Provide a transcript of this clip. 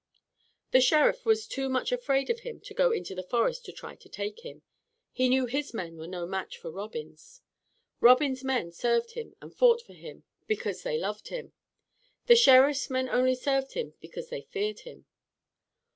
The Sheriff was too much afraid of him to go into the forest to try to take him. He knew his men were no match for Robin's. Robin's men served him and fought for him because they loved him. The Sheriff's men only served him because they feared him.